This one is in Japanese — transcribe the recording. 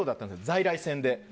在来線で。